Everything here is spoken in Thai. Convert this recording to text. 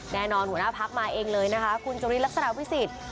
หัวหน้าพักมาเองเลยนะคะคุณจุลินลักษณะวิสิทธิ์